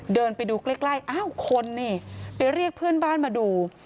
เดินไปดูใกล้อ้าวคนนี่ไปเรียกเพื่อนบ้านมาดู